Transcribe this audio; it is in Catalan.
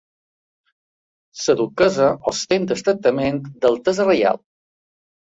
La duquessa ostenta el tractament d'altesa reial.